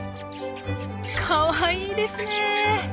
かわいいですね！